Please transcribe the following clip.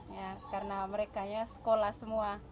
ya karena mereka ya sekolah semua